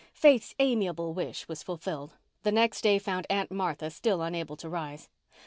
Faith's amiable wish was fulfilled. The next day found Aunt Martha still unable to rise.